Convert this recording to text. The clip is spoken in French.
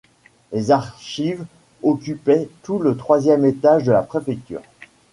Les archives occupaient tout le troisième étage de la Préfecture.